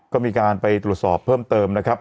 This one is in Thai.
ก็มีการไปตรวจสอบเพิ่มเติมนะครับ